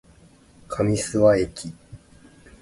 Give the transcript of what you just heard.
上諏訪駅